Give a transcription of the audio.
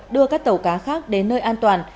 đưa các tàu cá khác đến nơi an toàn